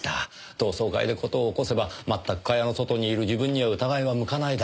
同窓会で事を起こせば全く蚊帳の外にいる自分には疑いは向かないだろうと。